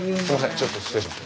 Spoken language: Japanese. ちょっと失礼します。